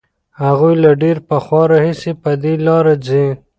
هغوی له ډېر پخوا راهیسې په دې لاره ځي.